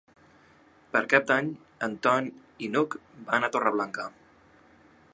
Per Cap d'Any en Ton i n'Hug van a Torreblanca.